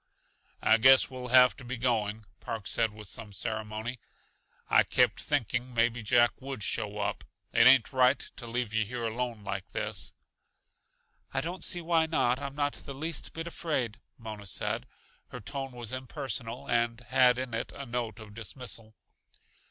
"I guess we'll have to be going," Park said with some ceremony. "I kept think ing maybe Jack would show up; it ain't right to leave yuh here alone like this." "I don't see why not; I'm not the least bit afraid," Mona said. Her tone was impersonal and had in it a note of dismissal.